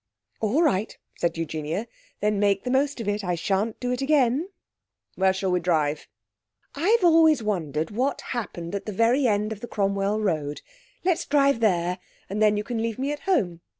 'All right,' said Eugenia. 'Then make the most of it. I shan't do it again.' 'Where shall we drive?' 'I've always wondered what happened at the very end of the Cromwell Road. Let's drive there, and then you can leave me at home.